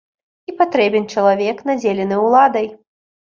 І патрэбен чалавек, надзелены уладай.